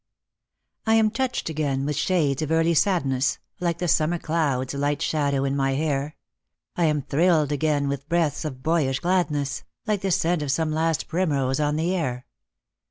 " I am toueh'd again with shades of early sadness, Like the summer cloud's light shadow in my hair; I am thrilled again with breaths of boyish gladness, Like the seent of some last primrose on the air.